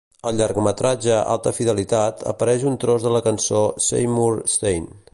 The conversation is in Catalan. Al llargmetratge "Alta Fidelitat" apareix un tros de la cançó "Seymour Stein".